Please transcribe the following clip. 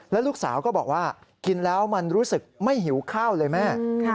แล้วลูกสาวก็บอกว่ากินแล้วมันรู้สึกไม่หิวข้าวเลยแม่